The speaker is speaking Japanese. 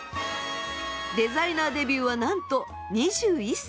デザイナーデビューはなんと２１歳！